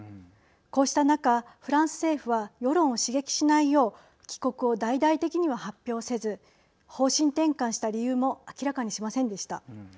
こうした中、フランス政府は世論を刺激しないよう帰国を大々的には発表せず方針転換した理由も明らかにしませんでした。